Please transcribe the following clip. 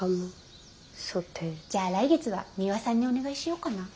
じゃあ来月はミワさんにお願いしようかな。